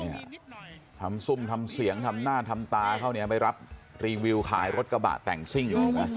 นี่ฮะทำซุ่มทำเสียงทำหน้าทำตาเขาเนี้ยไปรับรีวิวขายรถกระบะแต่งสิ้ง